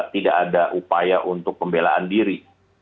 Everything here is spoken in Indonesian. tidak ada upaya untuk pembelaan diri